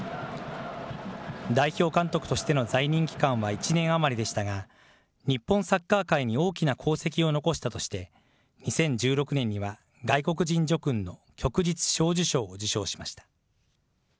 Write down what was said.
代表監督としての在任期間は１年余りでしたが、日本サッカー界に大きな功績を残したとして、２０１６年には外国人叙勲の旭日小綬章を受章しました。